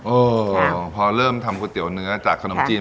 เออพอเริ่มทำก๋วยเตี๋ยวเนื้อจากขนมจีน